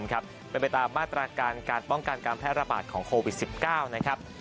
เป็นไปตามมาตรการการป้องกันการแพร่ระบาดของโควิด๑๙นะครับ